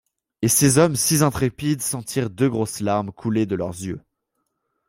Et ces hommes si intrépides sentirent deux grosses larmes couler de leurs yeux.